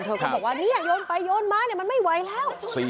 เธอก็บอกว่าเนี่ยโยนไปโยนมามันไม่ไหวแล้ว